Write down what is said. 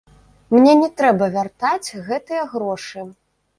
Мне не трэба вяртаць гэтыя грошы.